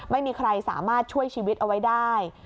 ไม่มีใครสามารถช่วยชีวิตเอาไว้ได้